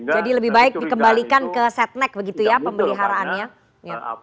jadi lebih baik dikembalikan ke setnek begitu ya pemeliharaannya